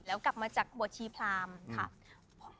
แล้วกลับมาจากบวชชีพรามค่ะ